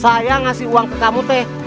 saya ngasih uang ke kamu teh